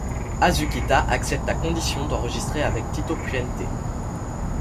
Azuquita accepte à condition d’enregistrer avec Tito Puente.